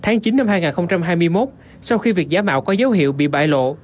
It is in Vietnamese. tháng chín năm hai nghìn hai mươi một sau khi việc giả mạo có dấu hiệu bị bại lộ